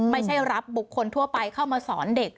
ไม่ใช่รับบุคคลทั่วไปเข้ามาสอนเด็ก